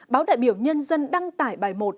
báo đại biểu nhân dân đăng tải bài một